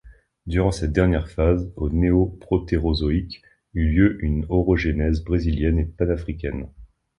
Durant cette dernière phase, au Néoprotérozoïque, eut lieu une orogenèse brésilienne et panafricaine.